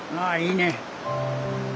あいいね。